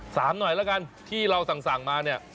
หน่อยแล้วกันที่เราสั่งมาเนี่ย